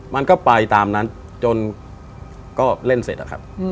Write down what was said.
มันก็ไปตามนั้นจนก็เล่นเสร็จอะครับ